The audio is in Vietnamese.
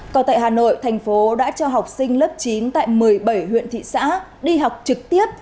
còn tại hà nội thành phố đã cho học sinh lớp chín tại một mươi bảy huyện thị xã đi học trực tiếp